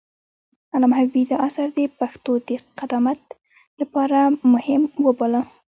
علامه حبيبي دا اثر د پښتو د قدامت لپاره مهم وباله.